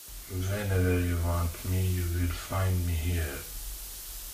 Whenever you want me, you will find me here.